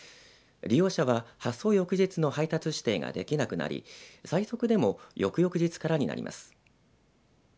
利用者は発送翌日の配送指定ができなくなり最速でも翌々日からになります。